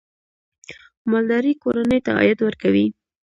مالداري کورنۍ ته عاید ورکوي.